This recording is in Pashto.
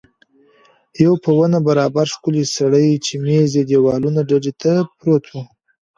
یو په ونه برابر ښکلی سړی چې مېز یې دېواله ډډې ته پروت و.